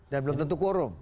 dan belum tentu quorum